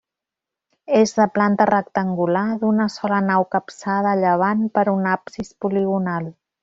És de planta rectangular, d'una sola nau capçada a llevant per un absis poligonal.